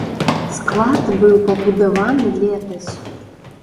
Склад быў пабудаваны летась.